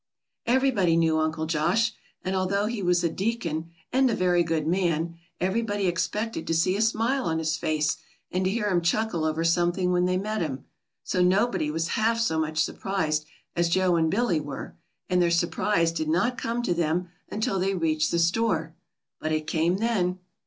Everybody knew Uncle Josh, and although he was a deacon and a very good man, everybody expected to see a smile on his face, and to hear him chuckle over something when they met him. So nobody was half so much surprised as Joe and Billy were, and their surprise did not come to them until they reached the store. But it came then.